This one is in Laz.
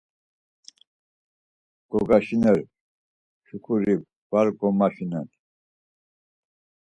Gogaşiner şuǩuri var gomaşiner!